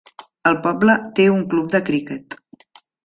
El poble té un club de cricket.